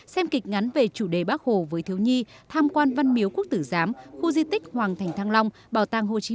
xem kịch ngắn về chủ đề bác hồ với thiếu nhi tham quan văn miếu quốc tử giám khu di tích hoàng thành thăng long bảo tàng hồ chí minh